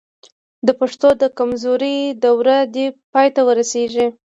د پښتو د کمزورۍ دور دې پای ته ورسېږي.